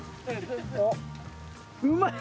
うまい。